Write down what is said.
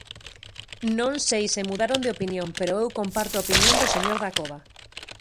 Non sei se mudaron de opinión, pero eu comparto a opinión do señor Dacova.